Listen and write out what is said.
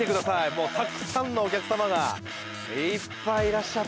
もうたくさんのお客様がいっぱいいらっしゃってます。